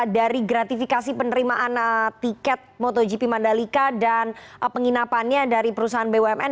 dari gratifikasi penerimaan tiket motogp mandalika dan penginapannya dari perusahaan bumn